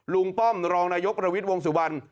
ลูงป้อมรองนายกลวิชวงศ์สุวรรรภ์